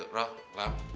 yuk roh salam